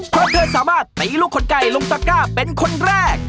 เพราะเธอสามารถตีลูกขนไก่ลงตะก้าเป็นคนแรก